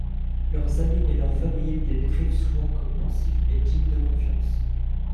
Leurs amis et leur famille les décrivent souvent comme pensifs et dignes de confiance.